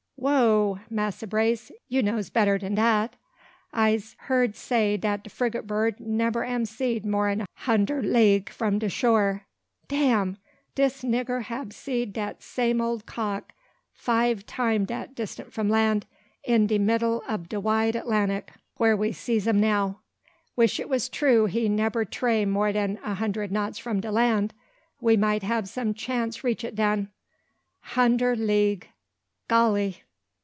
"Whoogh! Massa Brace, you knows better dan dat. I'se heerd say dat de frigate bird nebber am seed more'n a hunder league from de shore. Dam! Dis nigga hab seed dat same ole cock five time dat distance from land, in de middle ob de wide Atlantic, whar we sees 'um now. Wish it was true he nebber 'tray more dan hunder knots from de land; we might hab some chance reach it den. Hunder league! Golly!